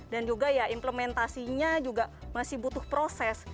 dan juga ya implementasinya juga masih butuh proses